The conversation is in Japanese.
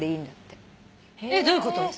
えっどういうこと？